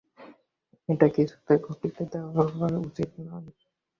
এটা কিছুতে ঘটিতে দেওয়া উচিত নয়।